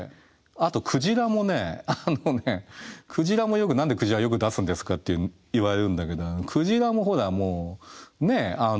あとクジラもねあのねクジラもよく何でクジラよく出すんですかって言われるんだけどクジラもほらねえ